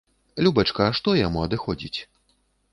Любачка, што яму адыходзіць?